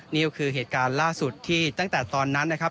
นี่ก็คือเหตุการณ์ล่าสุดที่ตั้งแต่ตอนนั้นนะครับ